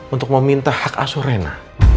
untuk meminta hak asurena